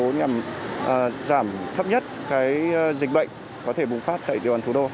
chính phủ nhằm giảm thấp nhất dịch bệnh có thể bùng phát tại tiểu đoàn thủ đô